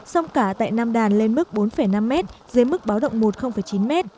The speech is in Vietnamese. sông cả tại nam đàn lên mức bốn năm m dưới mức báo động một chín m